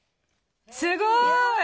すごい！